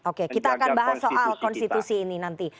oke kita akan bahas soal konstitusi ini nanti